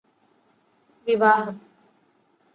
വിവാഹം